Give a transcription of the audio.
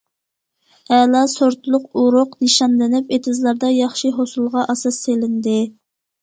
ئەلا سورتلۇق ئۇرۇق نىشانلىنىپ، ئېتىزلاردا ياخشى ھوسۇلغا ئاساس سېلىندى.